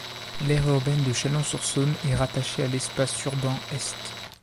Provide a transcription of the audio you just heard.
L'aire urbaine de Chalon-sur-Saône est rattachée à l'espace urbain Est.